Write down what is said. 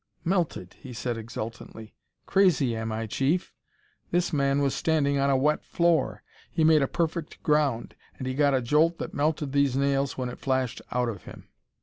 "Melted!" he said exultantly. "Crazy, am I, Chief? This man was standing on a wet floor; he made a perfect ground. And he got a jolt that melted these nails when it flashed out of him."